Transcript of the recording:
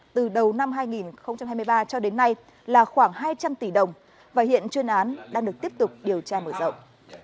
từ đầu năm hai nghìn hai mươi ba cho đến nay là khoảng hai trăm linh tỷ đồng và hiện chuyên án đang được tiếp tục điều tra mở rộng